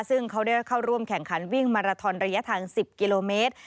ซึ่งเขาได้เข้าร่วมแข่งขันวิ่งมาราทอนระยะทาง๑๐กิโลเมตร